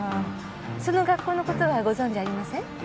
その学校の事はご存じありません？